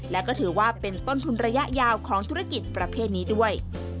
และก็ถือว่าเป็นต้นทุนระยะยาวของธุรกิจประเภทนี้ด้วย